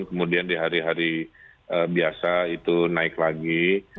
kemudian di hari hari biasa itu naik lagi